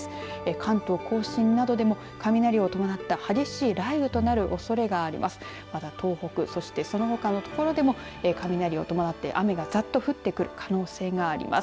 関東甲信などでも雷を伴った激しい雷雨となるおそれがあります。